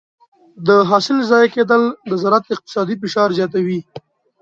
د حاصل ضایع کېدل د زراعت اقتصادي فشار زیاتوي.